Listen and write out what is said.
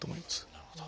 なるほど。